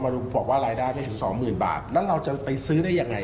มาพบว่ารายได้ไม่ถึง๒๐๐๐๐บาทนั้นเราจะไปซื้อได้อย่างไร